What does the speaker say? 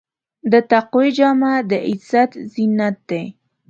د تقوی جامه د عزت زینت دی.